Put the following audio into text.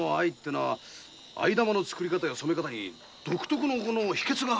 藍玉の作り方や染め方に独特の秘訣があるんだ。